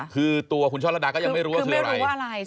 คือตัวคุณช่อระดาก็ยังไม่รู้ว่าคืออะไร